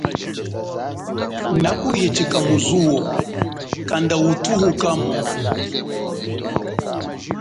Nakuhichika muzu kanda uthuhu kamo.